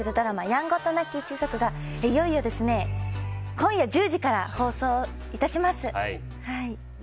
「やんごとなき一族」がいよいよ今夜１０時から放送致します。